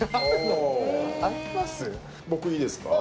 僕いいですか？